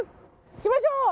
行きましょう。